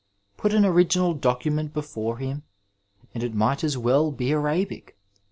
Put an original document before him, and it might as well be Arabic.